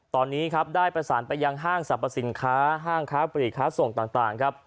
ตอนนี้ได้ประสานไปยังห้างสรรพสินค้าห้างข้าผลิตข้าส่งต่าง